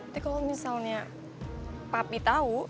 tapi kalau misalnya papi tahu